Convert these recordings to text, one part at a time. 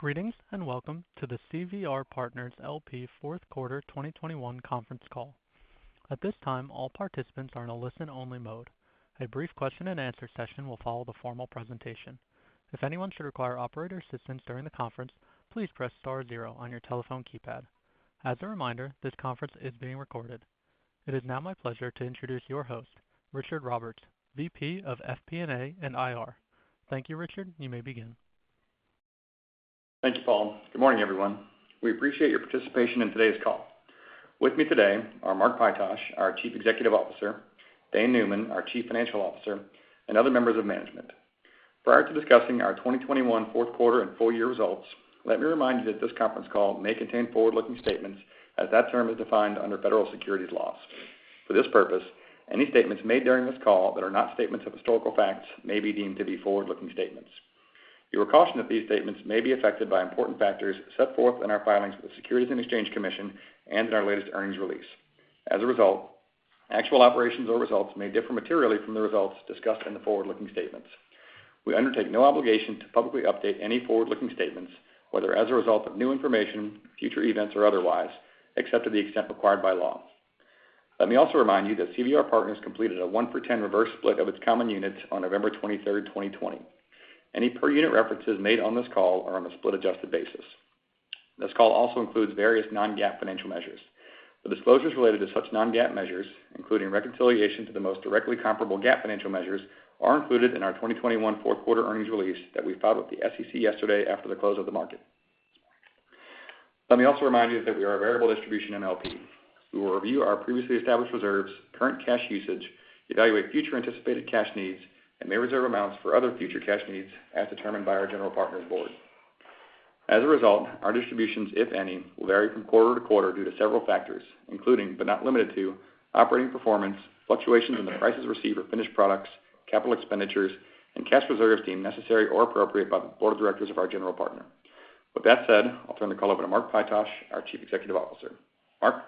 Greetings, and welcome to the CVR Partners, LP Q4 2021 conference call. At this time, all participants are in a listen-only mode. A brief question-and-answer session will follow the formal presentation. If anyone should require operator assistance during the conference, please press star zero on your telephone keypad. As a reminder, this conference is being recorded. It is now my pleasure to introduce your host, Richard Roberts, VP of FP&A and IR. Thank you, Richard. You may begin. Thank you, Paul. Good morning, everyone. We appreciate your participation in today's call. With me today are Mark Pytosh, our Chief Executive Officer, Dane Neumann, our Chief Financial Officer, and other members of management. Prior to discussing our 2021 Q4 and full year results, let me remind you that this conference call may contain forward-looking statements as that term is defined under federal securities laws. For this purpose, any statements made during this call that are not statements of historical facts may be deemed to be forward-looking statements. You are cautioned that these statements may be affected by important factors set forth in our filings with the Securities and Exchange Commission and in our latest earnings release. As a result, actual operations or results may differ materially from the results discussed in the forward-looking statements. We undertake no obligation to publicly update any forward-looking statements, whether as a result of new information, future events, or otherwise, except to the extent required by law. Let me also remind you that CVR Partners completed a 1-for-10 reverse split of its common units on 23 November 2020. Any per unit references made on this call are on a split adjusted basis. This call also includes various non-GAAP financial measures. The disclosures related to such non-GAAP measures, including reconciliation to the most directly comparable GAAP financial measures, are included in our 2021 Q4 earnings release that we filed with the SEC yesterday after the close of the market. Let me also remind you that we are a variable distribution MLP. We will review our previously established reserves, current cash usage, evaluate future anticipated cash needs, and may reserve amounts for other future cash needs as determined by our general partner board. As a result, our distributions, if any, will vary from quarter to quarter due to several factors, including, but not limited to, operating performance, fluctuations in the prices received for finished products, capital expenditures, and cash reserves deemed necessary or appropriate by the board of directors of our general partner. With that said, I'll turn the call over to Mark Pytosh, our Chief Executive Officer. Mark?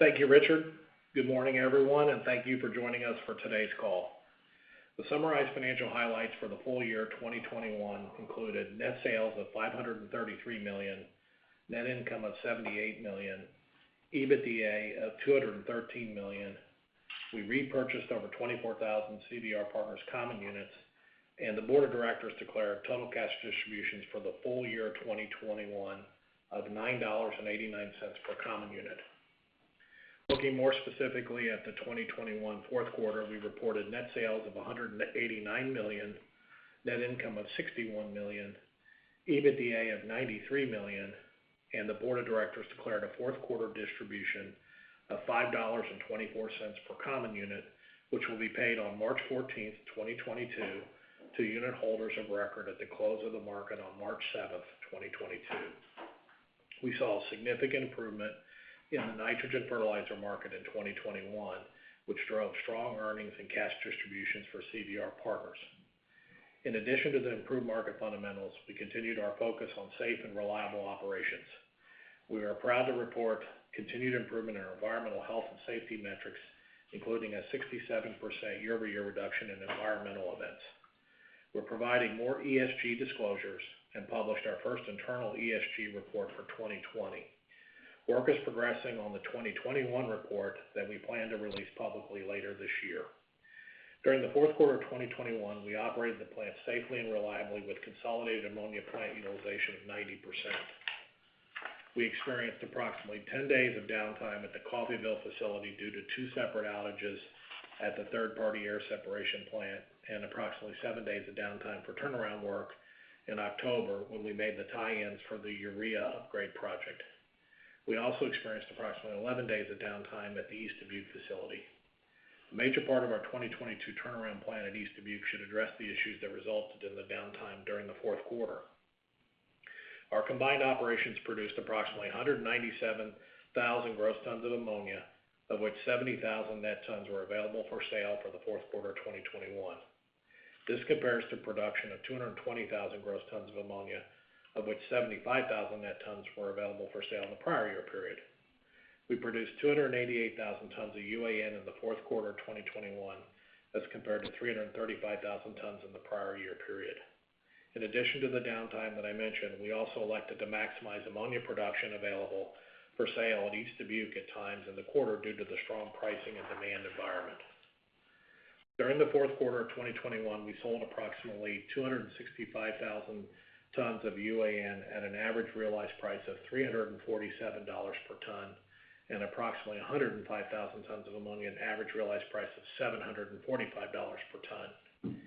Thank you, Richard. Good morning, everyone, and thank you for joining us for today's call. The summarized financial highlights for the full year 2021 included net sales of $533 million, net income of $78 million, EBITDA of $213 million. We repurchased over 24,000 CVR Partners common units, and the board of directors declared total cash distributions for the full year 2021 of $9.89 per common unit. Looking more specifically at the 2021 Q4, we reported net sales of $189 million, net income of $61 million, EBITDA of $93 million, and the board of directors declared a Q4 distribution of $5.24 per common unit, which will be paid on 14 March 2022 to unit holders of record at the close of the market on 7 March 2022. We saw a significant improvement in the nitrogen fertilizer market in 2021, which drove strong earnings and cash distributions for CVR Partners. In addition to the improved market fundamentals, we continued our focus on safe and reliable operations. We are proud to report continued improvement in our environmental health and safety metrics, including a 67% year-over-year reduction in environmental events. We're providing more ESG disclosures and published our first internal ESG report for 2020. Work is progressing on the 2021 report that we plan to release publicly later this year. During the Q4 of 2021, we operated the plant safely and reliably with consolidated ammonia plant utilization of 90%. We experienced approximately 10 days of downtime at the Coffeyville facility due to two separate outages at the third-party air separation plant and approximately 7 days of downtime for turnaround work in October when we made the tie-ins for the urea upgrade project. We also experienced approximately 11 days of downtime at the East Dubuque facility. A major part of our 2022 turnaround plan at East Dubuque should address the issues that resulted in the downtime during the Q4. Our combined operations produced approximately 197,000 gross tons of ammonia, of which 70,000 net tons were available for sale for the Q4 of 2021. This compares to production of 220,000 gross tons of ammonia, of which 75,000 net tons were available for sale in the prior year period. We produced 288,000 tons of UAN in the Q4 of 2021 as compared to 335,000 tons in the prior year period. In addition to the downtime that I mentioned, we also elected to maximize ammonia production available for sale at East Dubuque at times in the quarter due to the strong pricing and demand environment. During the Q4 of 2021, we sold approximately 265,000 tons of UAN at an average realized price of $347 per ton and approximately 105,000 tons of ammonia at an average realized price of $745 per ton.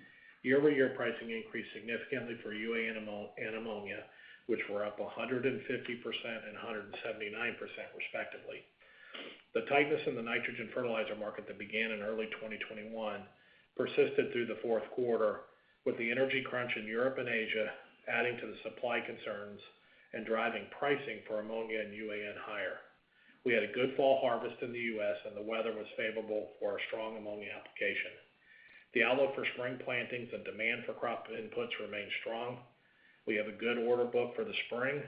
Year-over-year pricing increased significantly for UAN and ammonia, which were up 150% and 179% respectively. The tightness in the nitrogen fertilizer market that began in early 2021 persisted through the Q4, with the energy crunch in Europe and Asia adding to the supply concerns and driving pricing for ammonia and UAN higher. We had a good fall harvest in the U.S., and the weather was favorable for a strong ammonia application. The outlook for spring plantings and demand for crop inputs remain strong. We have a good order book for the spring,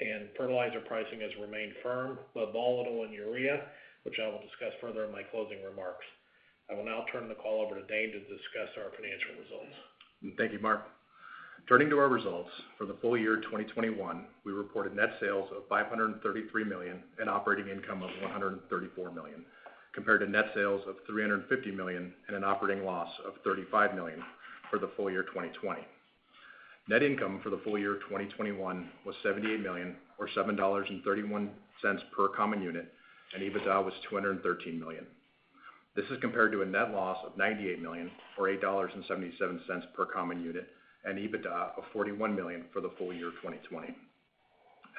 and fertilizer pricing has remained firm, but volatile in urea, which I will discuss further in my closing remarks. I will now turn the call over to Dane to discuss our financial results. Thank you, Mark. Turning to our results, for the full year 2021, we reported net sales of $533 million and operating income of $134 million, compared to net sales of $350 million and an operating loss of $35 million for the full year 2020. Net income for the full year 2021 was $78 million or $7.31 per common unit, and EBITDA was $213 million. This is compared to a net loss of $98 million or $8.77 per common unit, and EBITDA of $41 million for the full year 2020.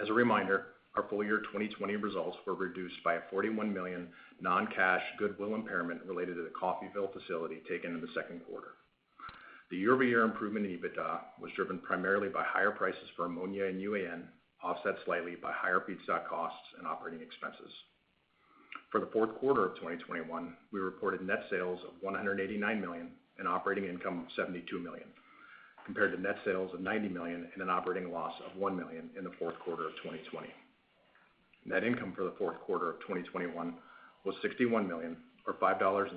As a reminder, our full year 2020 results were reduced by a $41 million non-cash goodwill impairment related to the Coffeyville facility taken in the Q2. The year-over-year improvement in EBITDA was driven primarily by higher prices for ammonia and UAN, offset slightly by higher feedstock costs and operating expenses. For the Q4 of 2021, we reported net sales of $189 million and operating income of $72 million, compared to net sales of $90 million and an operating loss of $1 million in the Q4 of 2020. Net income for the Q4 of 2021 was $61 million or $5.76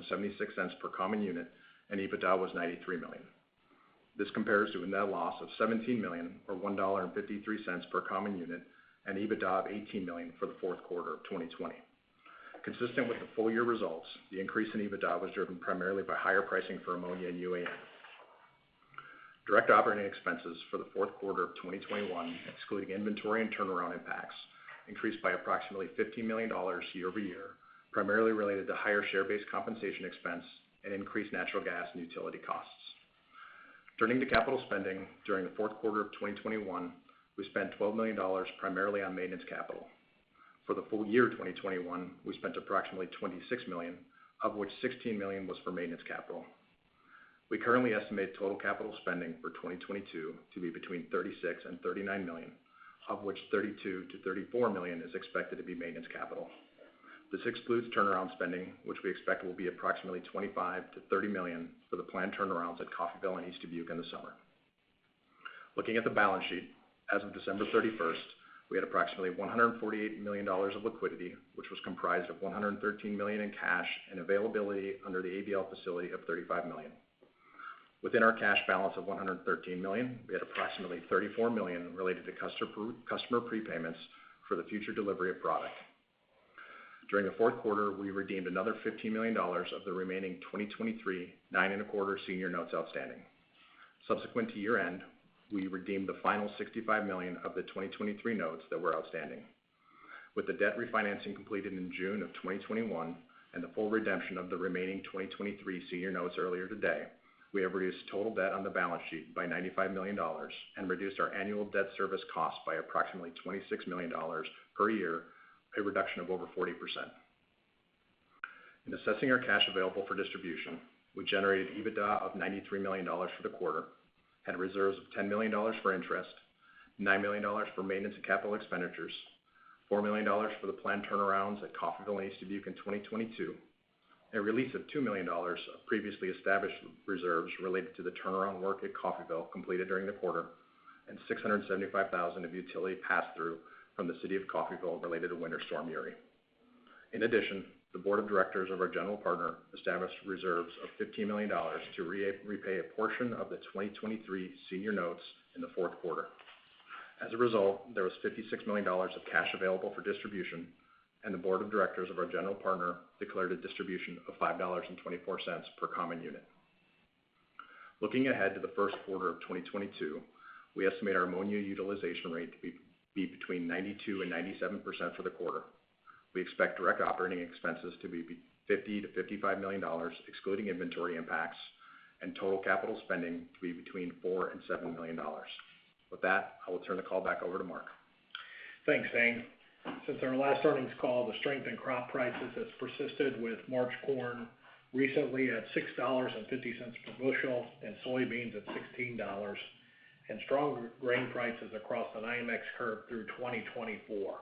per common unit, and EBITDA was $93 million. This compares to a net loss of $17 million or $1.53 per common unit, and EBITDA of $18 million for the Q4 of 2020. Consistent with the full year results, the increase in EBITDA was driven primarily by higher pricing for ammonia and UAN. Direct operating expenses for the Q4 of 2021, excluding inventory and turnaround impacts, increased by approximately $15 million year-over-year, primarily related to higher share-based compensation expense and increased natural gas and utility costs. Turning to capital spending, during the Q4 of 2021, we spent $12 million primarily on maintenance capital. For the full year 2021, we spent approximately $26 million, of which $16 million was for maintenance capital. We currently estimate total capital spending for 2022 to be between $36 million and $39 million, of which $32 to 34 million is expected to be maintenance capital. This excludes turnaround spending, which we expect will be approximately $25 to 30 million for the planned turnarounds at Coffeyville and East Dubuque in the summer. Looking at the balance sheet, as of December 31, we had approximately $148 million of liquidity, which was comprised of $113 million in cash and availability under the ABL facility of $35 million. Within our cash balance of $113 million, we had approximately $34 million related to customer prepayments for the future delivery of product. During the Q4, we redeemed another $15 million of the remaining 2023 9.25% senior notes outstanding. Subsequent to year-end, we redeemed the final $65 million of the 2023 notes that were outstanding. With the debt refinancing completed in June of 2021 and the full redemption of the remaining 2023 senior notes earlier today, we have reduced total debt on the balance sheet by $95 million and reduced our annual debt service cost by approximately $26 million per year, a reduction of over 40%. In assessing our cash available for distribution, we generated EBITDA of $93 million for the quarter, had reserves of $10 million for interest, $9 million for maintenance and capital expenditures, $4 million for the planned turnarounds at Coffeyville and East Dubuque in 2022, a release of $2 million of previously established reserves related to the turnaround work at Coffeyville completed during the quarter, and $675 thousand of utility pass-through from the city of Coffeyville related to Winter Storm Uri. In addition, the board of directors of our general partner established reserves of $15 million to repay a portion of the 2023 senior notes in the Q4. As a result, there was $56 million of cash available for distribution, and the board of directors of our general partner declared a distribution of $5.24 per common unit. Looking ahead to the Q1 of 2022, we estimate our ammonia utilization rate to be between 92% and 97% for the quarter. We expect direct operating expenses to be $50 to 55 million, excluding inventory impacts, and total capital spending to be between $4 million and $7 million. With that, I will turn the call back over to Mark. Thanks, Dane. Since our last earnings call, the strength in crop prices has persisted with March corn recently at $6.50 per bushel and soybeans at $16, and strong grain prices across the IMX curve through 2024.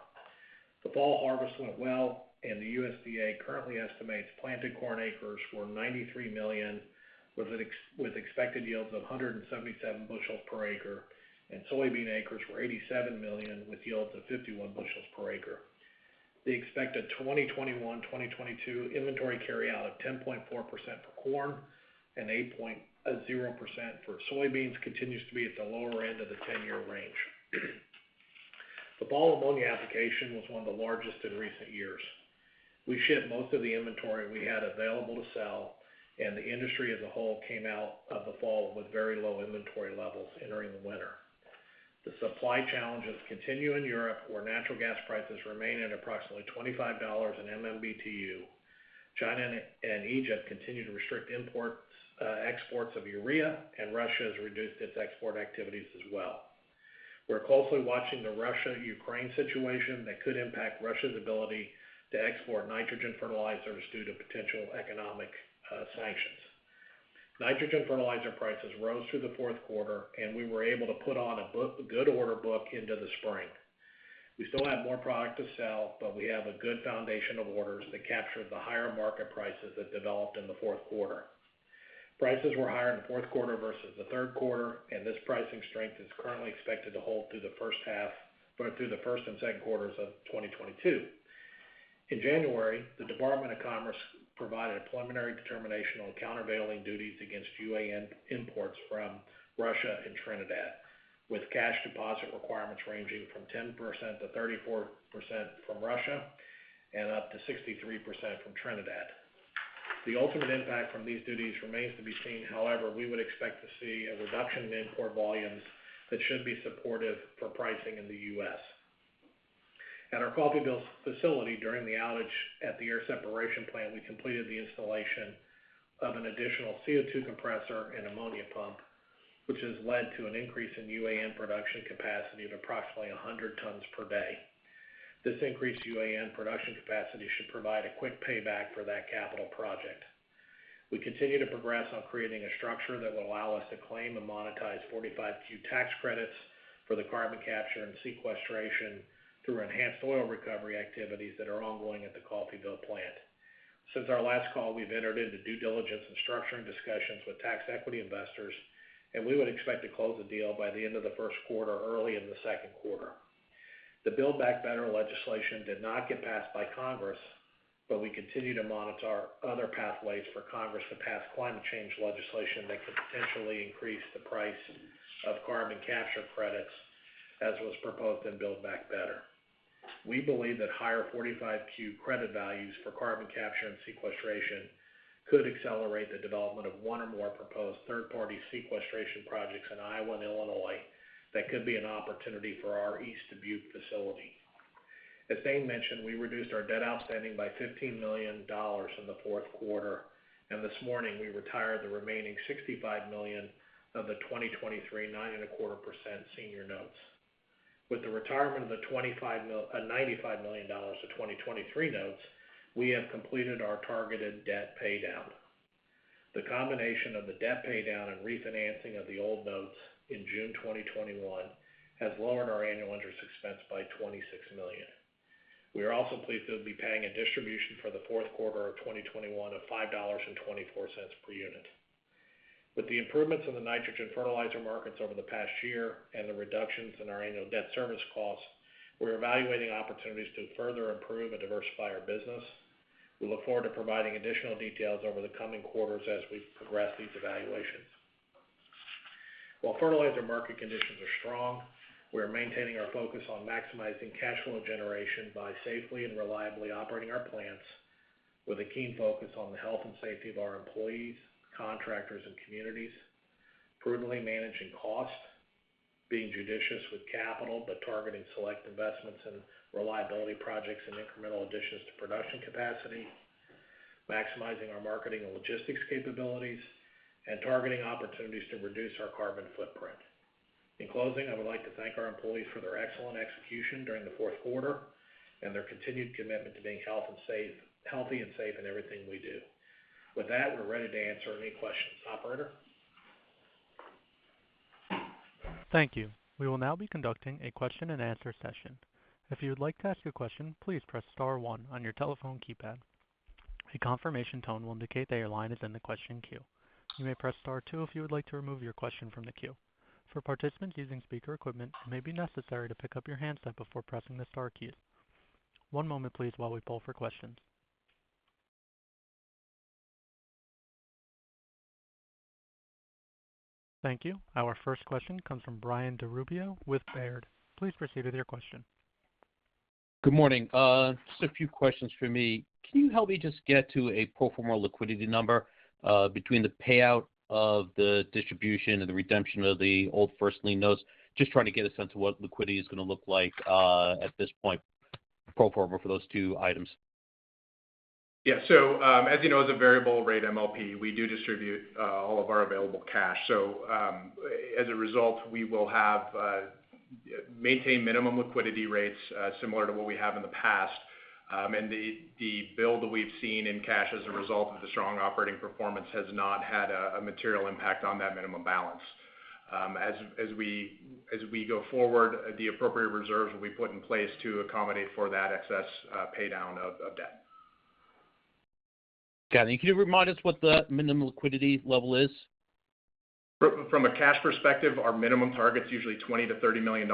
The fall harvest went well, and the USDA currently estimates planted corn acres were 93 million, with expected yields of 177 bushels per acre, and soybean acres were 87 million, with yields of 51 bushels per acre. The expected 2021/2022 inventory carryout of 10.4% for corn and 8.0% for soybeans continues to be at the lower end of the ten-year range. The fall ammonia application was one of the largest in recent years. We shipped most of the inventory we had available to sell, and the industry as a whole came out of the fall with very low inventory levels entering the winter. The supply challenges continue in Europe, where natural gas prices remain at approximately $25/MMBTU. China and Egypt continue to restrict exports of urea, and Russia has reduced its export activities as well. We're closely watching the Russia-Ukraine situation that could impact Russia's ability to export nitrogen fertilizers due to potential economic sanctions. Nitrogen fertilizer prices rose through the Q4, and we were able to put on a good order book into the spring. We still have more product to sell, but we have a good foundation of orders that captured the higher market prices that developed in the Q4. prices were higher in the Q4 versus the Q3, and this pricing strength is currently expected to hold through the H1, or through the first and Q2s of 2022. In January, the Department of Commerce provided a preliminary determination on countervailing duties against UAN imports from Russia and Trinidad, with cash deposit requirements ranging from 10 to 34% from Russia and up to 63% from Trinidad. The ultimate impact from these duties remains to be seen. However, we would expect to see a reduction in import volumes that should be supportive for pricing in the U.S. At our Coffeyville facility during the outage at the air separation plant, we completed the installation of an additional CO₂ compressor and ammonia pump, which has led to an increase in UAN production capacity of approximately 100 tons per day. This increased UAN production capacity should provide a quick payback for that capital project. We continue to progress on creating a structure that will allow us to claim and monetize 45Q tax credits for the carbon capture and sequestration through enhanced oil recovery activities that are ongoing at the Coffeyville plant. Since our last call, we've entered into due diligence and structuring discussions with tax equity investors, and we would expect to close the deal by the end of the Q1 or early in the Q2. The Build Back Better legislation did not get passed by Congress, but we continue to monitor other pathways for Congress to pass climate change legislation that could potentially increase the price of carbon capture credits as was proposed in Build Back Better. We believe that higher 45Q credit values for carbon capture and sequestration could accelerate the development of one or more proposed third-party sequestration projects in Iowa and Illinois that could be an opportunity for our East Dubuque facility. As Dane mentioned, we reduced our debt outstanding by $15 million in the Q4, and this morning we retired the remaining $65 million of the 2023 9.25% senior notes. With the retirement of the $95 million of 2023 notes, we have completed our targeted debt paydown. The combination of the debt paydown and refinancing of the old notes in June 2021 has lowered our annual interest expense by $26 million. We are also pleased to be paying a distribution for the Q4 of 2021 of $5.24 per unit. With the improvements in the nitrogen fertilizer markets over the past year and the reductions in our annual debt service costs, we're evaluating opportunities to further improve and diversify our business. We look forward to providing additional details over the coming quarters as we progress these evaluations. While fertilizer market conditions are strong, we are maintaining our focus on maximizing cash flow generation by safely and reliably operating our plants with a keen focus on the health and safety of our employees, contractors, and communities, prudently managing costs, being judicious with capital, but targeting select investments in reliability projects and incremental additions to production capacity, maximizing our marketing and logistics capabilities, and targeting opportunities to reduce our carbon footprint. In closing, I would like to thank our employees for their excellent execution during the Q4 and their continued commitment to being healthy and safe in everything we do. With that, we're ready to answer any questions. Operator? Thank you. We will now be conducting a question-and-answer session. If you would like to ask a question, please press star one on your telephone keypad. A confirmation tone will indicate that your line is in the question queue. You may press star two if you would like to remove your question from the queue. For participants using speaker equipment, it may be necessary to pick up your handset before pressing the star key. One moment, please, while we poll for questions. Thank you. Our first question comes from Brian DiRubbio with Baird. Please proceed with your question. Good morning. Just a few questions for me. Can you help me just get to a pro forma liquidity number, between the payout of the distribution and the redemption of the old first lien notes? Just trying to get a sense of what liquidity is gonna look like, at this point, pro forma for those two items. Yeah. As you know, as a variable rate MLP, we do distribute all of our available cash. As a result, we will have to maintain minimum liquidity ratios similar to what we have in the past. The build that we've seen in cash as a result of the strong operating performance has not had a material impact on that minimum balance. As we go forward, the appropriate reserves will be put in place to accommodate for that excess paydown of debt. Got it. Can you remind us what the minimum liquidity level is? From a cash perspective, our minimum target's usually $20 to 30 million.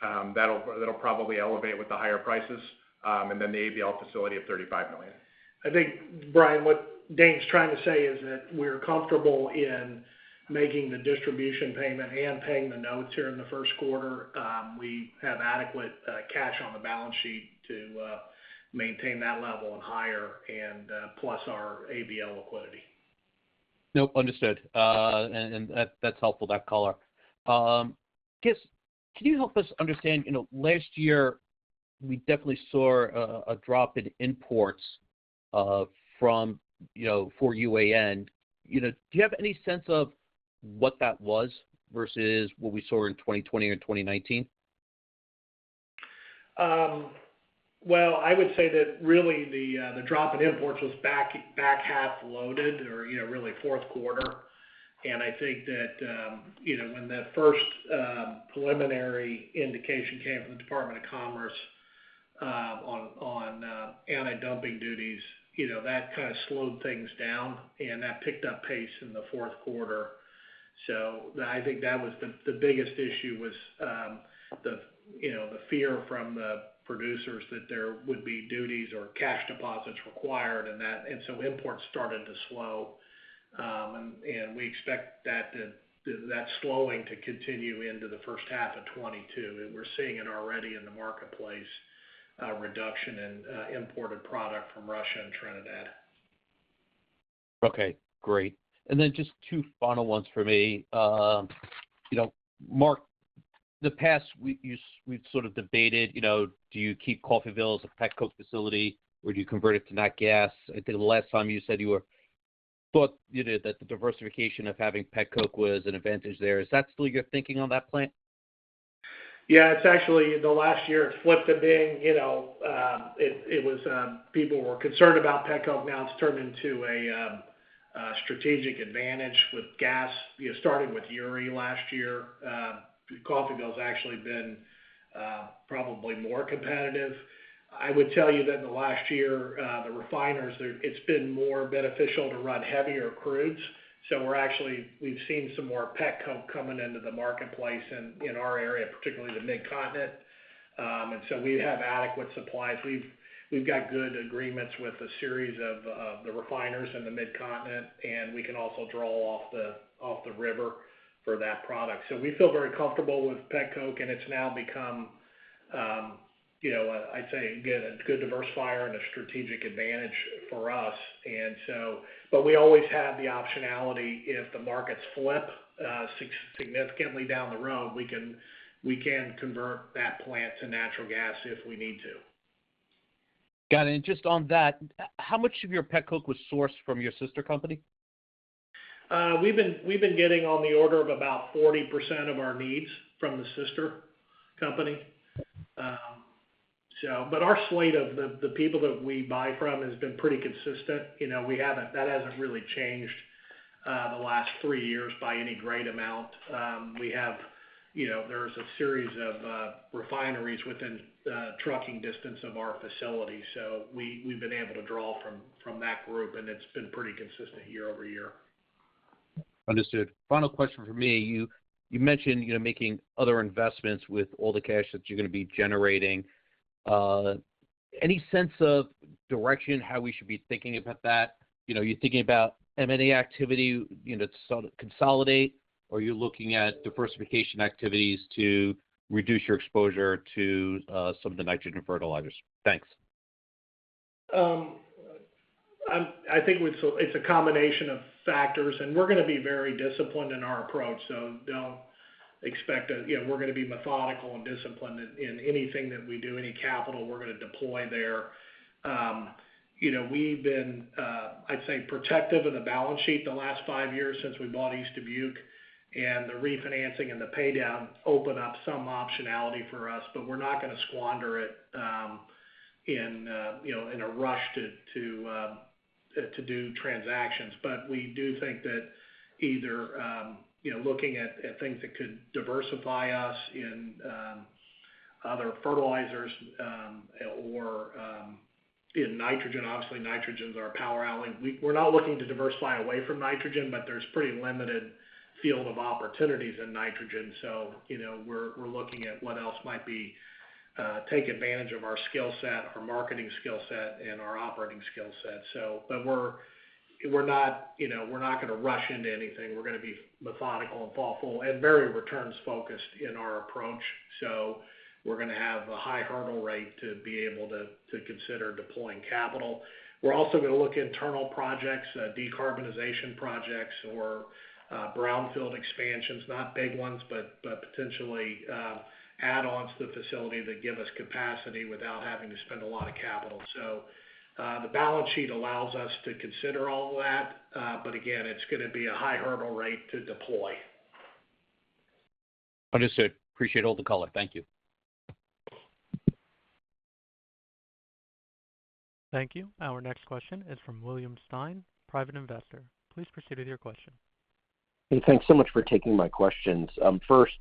That'll probably elevate with the higher prices. The ABL facility of $35 million. I think, Brian, what Dane's trying to say is that we're comfortable in making the distribution payment and paying the notes here in the Q1. We have adequate cash on the balance sheet to maintain that level and higher and plus our ABL liquidity. Nope, understood. That's helpful, that color. Can you help us understand, you know, last year we definitely saw a drop in imports, you know, for UAN. You know, do you have any sense of what that was versus what we saw in 2020 or 2019? Well, I would say that really the drop in imports was back half loaded or, you know, really Q4. I think that, you know, when the first preliminary indication came from the Department of Commerce on anti-dumping duties, you know, that kind of slowed things down, and that picked up pace in the Q4. I think that was the biggest issue, the fear from the producers that there would be duties or cash deposits required and that imports started to slow. We expect that slowing to continue into the H1 of 2022, and we're seeing it already in the marketplace, reduction in imported product from Russia and Trinidad. Okay, great. Just two final ones for me. You know, Mark, the past week we've sort of debated, you know, do you keep Coffeyville as a pet coke facility, or do you convert it to nat gas? I think the last time you said you thought, you know, that the diversification of having pet coke was an advantage there. Is that still you're thinking on that plant? Yeah. It's actually, in the last year, it's flipped a bit. You know, it was, people were concerned about pet coke, now it's turned into a strategic advantage with gas. You know, starting with Uri last year, Coffeyville's actually been probably more competitive. I would tell you that in the last year, it's been more beneficial to run heavier crudes. We're actually. We've seen some more pet coke coming into the marketplace in our area, particularly the Mid-Continent. We have adequate supplies. We've got good agreements with a series of the refiners in the Mid-Continent, and we can also draw off the river for that product. We feel very comfortable with pet coke, and it's now become, you know, I'd say, again, a good diversifier and a strategic advantage for us. We always have the optionality if the markets flip significantly down the road, we can convert that plant to natural gas if we need to. Got it. Just on that, how much of your pet coke was sourced from your sister company? We've been getting on the order of about 40% of our needs from the sister company. Our slate of the people that we buy from has been pretty consistent. You know, that hasn't really changed the last 3 years by any great amount. You know, there's a series of refineries within trucking distance of our facility, so we've been able to draw from that group, and it's been pretty consistent year-over-year. Understood. Final question from me. You mentioned, you know, making other investments with all the cash that you're gonna be generating. Any sense of direction how we should be thinking about that? You know, are you thinking about M&A activity, you know, to sort of consolidate, or are you looking at diversification activities to reduce your exposure to some of the nitrogen fertilizers? Thanks. I think it's a combination of factors, and we're gonna be very disciplined in our approach. You know, we're gonna be methodical and disciplined in anything that we do, any capital we're gonna deploy there. You know, we've been, I'd say, protective of the balance sheet the last five years since we bought East Dubuque, and the refinancing and the paydown open up some optionality for us, but we're not gonna squander it, you know, in a rush to do transactions. We do think that either, you know, looking at things that could diversify us in other fertilizers or in nitrogen. Obviously, nitrogen's our power alley. We're not looking to diversify away from nitrogen, but there's pretty limited field of opportunities in nitrogen. You know, we're looking at what else might take advantage of our skill set, our marketing skill set and our operating skill set. We're not gonna rush into anything. We're gonna be methodical and thoughtful and very returns-focused in our approach. We're gonna have a high hurdle rate to be able to consider deploying capital. We're also gonna look at internal projects, decarbonization projects or brownfield expansions. Not big ones, but potentially add-ons to the facility that give us capacity without having to spend a lot of capital. The balance sheet allows us to consider all that. Again, it's gonna be a high hurdle rate to deploy. Understood. Appreciate all the color. Thank you. Thank you. Our next question is from William Stein, Private Investor. Please proceed with your question. Hey. Thanks so much for taking my questions. First,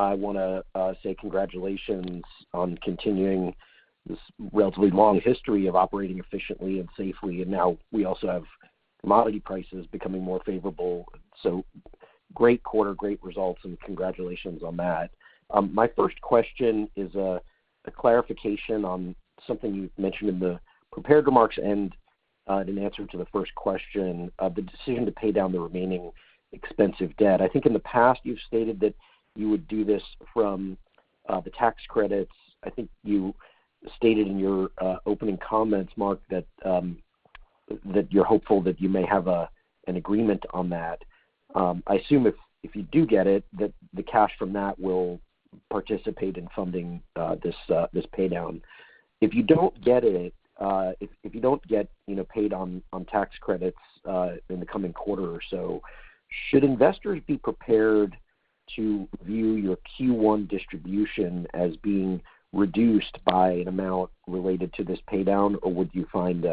I wanna say congratulations on continuing this relatively long history of operating efficiently and safely, and now we also have commodity prices becoming more favorable. Great quarter, great results, and congratulations on that. My first question is a clarification on something you've mentioned in the prepared remarks and in answer to the first question of the decision to pay down the remaining expensive debt. I think in the past you've stated that you would do this from the tax credits. I think you stated in your opening comments, Mark, that you're hopeful that you may have an agreement on that. I assume if you do get it, that the cash from that will participate in funding this pay down. If you don't get it, if you don't get paid on tax credits in the coming quarter or so, should investors be prepared to view your Q1 distribution as being reduced by an amount related to this pay down, or would you find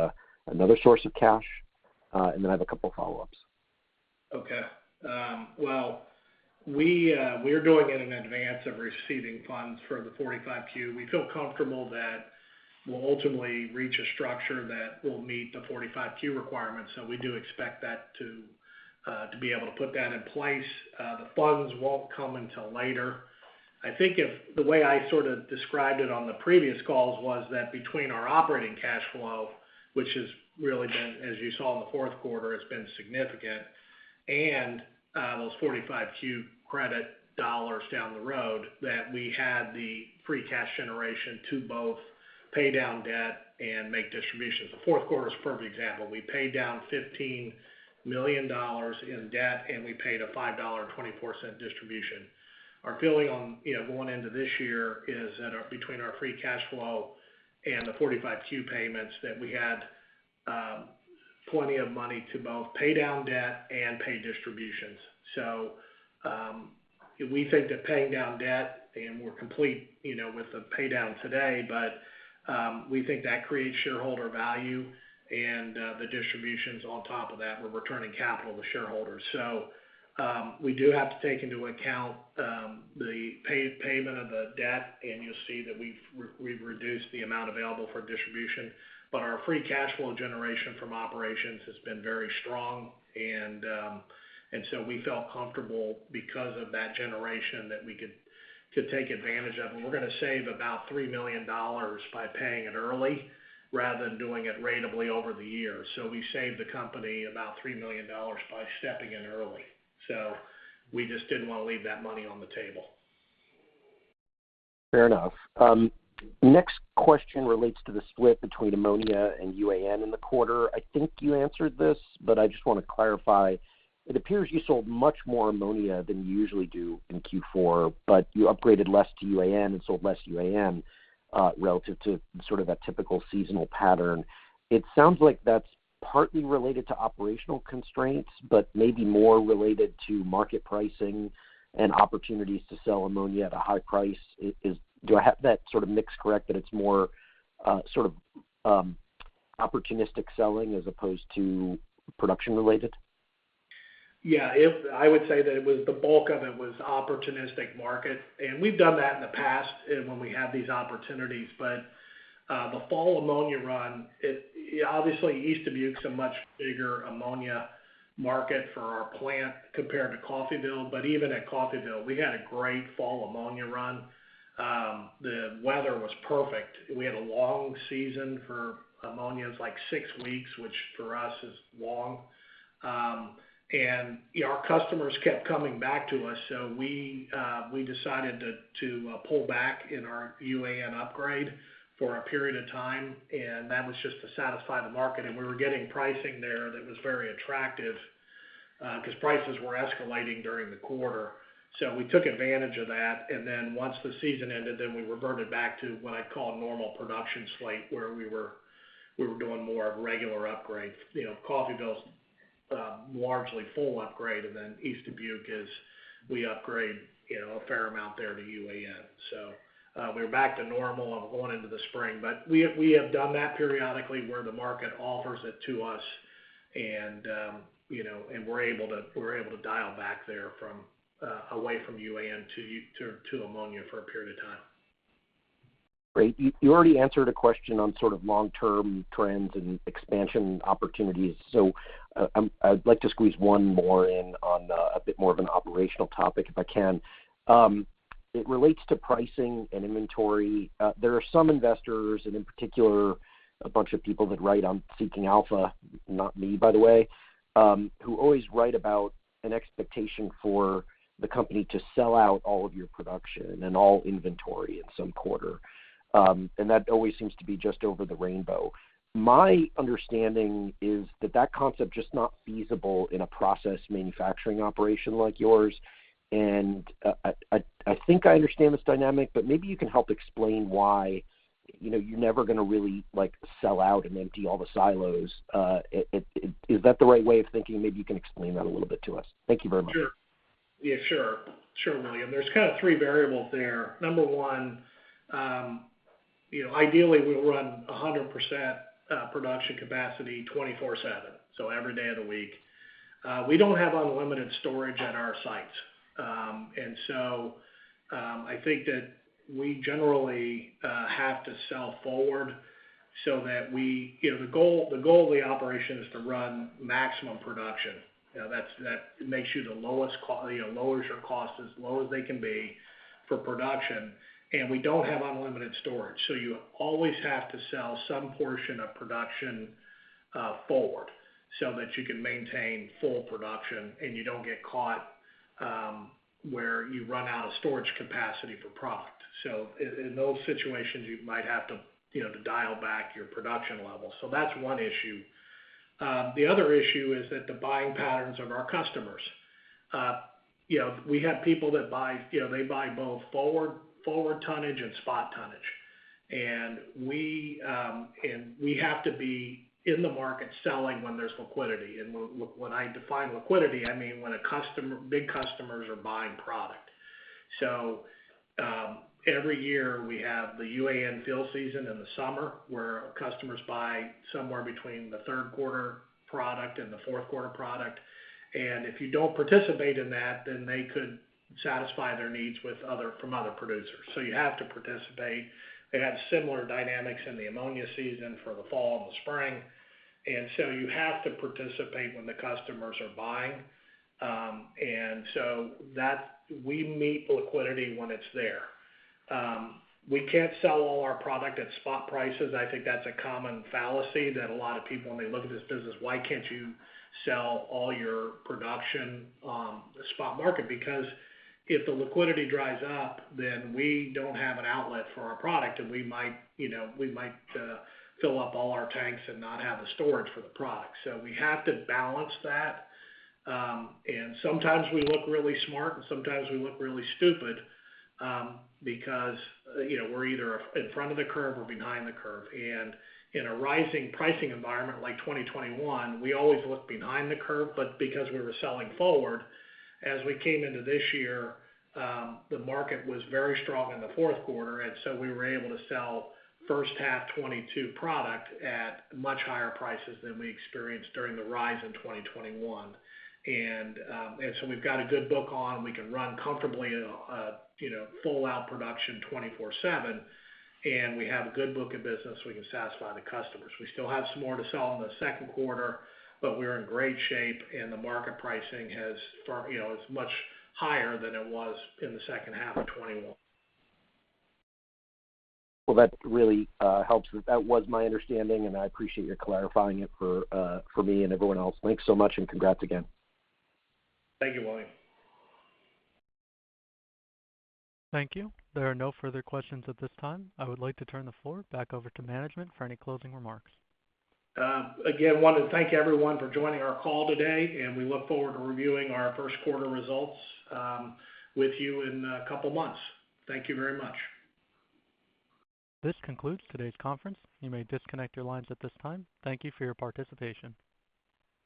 another source of cash? I have a couple follow-ups. Okay. Well, we're doing it in advance of receiving funds for the 45Q. We feel comfortable that we'll ultimately reach a structure that will meet the 45Q requirements. We do expect that to be able to put that in place. The funds won't come until later. I think the way I sort of described it on the previous calls was that between our operating cash flow, which has really been significant, as you saw in the Q4, and those 45Q credit dollars down the road, that we had the free cash generation to both pay down debt and make distributions. The Q4 is a perfect example. We paid down $15 million in debt, and we paid a $5.24 distribution. Our feeling on, you know, going into this year is that between our free cash flow and the 45Q payments that we had, plenty of money to both pay down debt and pay distributions. We think that paying down debt and we're complete, you know, with the pay down today, but we think that creates shareholder value and the distributions on top of that, we're returning capital to shareholders. We do have to take into account the payment of the debt, and you'll see that we've reduced the amount available for distribution. Our free cash flow generation from operations has been very strong. We felt comfortable because of that generation that we could take advantage of. We're gonna save about $3 million by paying it early rather than doing it ratably over the year. We saved the company about $3 million by stepping in early. We just didn't wanna leave that money on the table. Fair enough. Next question relates to the split between ammonia and UAN in the quarter. I think you answered this, but I just wanna clarify. It appears you sold much more ammonia than you usually do in Q4, but you upgraded less to UAN and sold less UAN, relative to sort of a typical seasonal pattern. It sounds like that's partly related to operational constraints, but maybe more related to market pricing and opportunities to sell ammonia at a high price. Do I have that sort of mix correct, that it's more, sort of, opportunistic selling as opposed to production related? Yeah, if I would say that the bulk of it was opportunistic market, and we've done that in the past when we had these opportunities. The fall ammonia run, it obviously East Dubuque's a much bigger ammonia market for our plant compared to Coffeyville. Even at Coffeyville, we had a great fall ammonia run. The weather was perfect. We had a long season for ammonia's like six weeks, which for us is long. You know, our customers kept coming back to us, so we decided to pull back in our UAN upgrade for a period of time, and that was just to satisfy the market. We were getting pricing there that was very attractive because prices were escalating during the quarter. We took advantage of that. Once the season ended, we reverted back to what I'd call normal production slate, where we were doing more of regular upgrades. You know, Coffeyville's largely full upgrade. East Dubuque, we upgrade, you know, a fair amount there to UAN. We're back to normal going into the spring. We have done that periodically where the market offers it to us and, you know, and we're able to dial back there from away from UAN to ammonia for a period of time. Great. You already answered a question on sort of long-term trends and expansion opportunities. I'd like to squeeze one more in on a bit more of an operational topic, if I can. It relates to pricing and inventory. There are some investors, and in particular a bunch of people that write on Seeking Alpha, not me by the way, who always write about an expectation for the company to sell out all of your production and all inventory in some quarter. That always seems to be just over the rainbow. My understanding is that that concept is just not feasible in a process manufacturing operation like yours. I think I understand this dynamic, but maybe you can help explain why, you know, you're never gonna really like sell out and empty all the silos. Is that the right way of thinking? Maybe you can explain that a little bit to us. Thank you very much. Sure. Yeah, sure. Sure, William. There's kind of three variables there. Number one, you know, ideally, we run 100% production capacity 24/7, so every day of the week. We don't have unlimited storage at our sites. I think that we generally have to sell forward so that we, you know, the goal of the operation is to run maximum production. You know, that makes you the lowest cost, you know, lowers your costs as low as they can be for production. We don't have unlimited storage. You always have to sell some portion of production forward so that you can maintain full production and you don't get caught where you run out of storage capacity for product. In those situations, you might have to, you know, to dial back your production level. That's one issue. The other issue is that the buying patterns of our customers. You know, we have people that buy, you know, they buy both forward tonnage and spot tonnage. And we have to be in the market selling when there's liquidity. When I define liquidity, I mean when big customers are buying product. Every year we have the UAN fill season in the summer where customers buy somewhere between the Q3 product and the Q4 product. If you don't participate in that, then they could satisfy their needs with other producers. You have to participate. They have similar dynamics in the ammonia season for the fall and the spring. You have to participate when the customers are buying. We meet liquidity when it's there. We can't sell all our product at spot prices. I think that's a common fallacy that a lot of people, when they look at this business, why can't you sell all your production, spot market? Because if the liquidity dries up, then we don't have an outlet for our product, and we might, you know, fill up all our tanks and not have the storage for the product. We have to balance that. Sometimes we look really smart and sometimes we look really stupid, because, you know, we're either in front of the curve or behind the curve. In a rising pricing environment like 2021, we always look behind the curve, but because we were selling forward, as we came into this year, the market was very strong in the Q4, and so we were able to sell H1 2022 product at much higher prices than we experienced during the rise in 2021. We've got a good book on. We can run comfortably at a, you know, full out production 24/7, and we have a good book of business. We can satisfy the customers. We still have some more to sell in the Q2, but we're in great shape, and the market pricing has far, you know, is much higher than it was in the H2 of 2021. Well, that really helps. That was my understanding, and I appreciate you clarifying it for me and everyone else. Thanks so much and congrats again. Thank you, William. Thank you. There are no further questions at this time. I would like to turn the floor back over to management for any closing remarks. Again, I want to thank everyone for joining our call today, and we look forward to reviewing our Q1 results with you in a couple months. Thank you very much. This concludes today's conference. You may disconnect your lines at this time. Thank you for your participation.